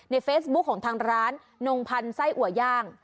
เฟซบุ๊คของทางร้านนงพันธ์ไส้อัวย่าง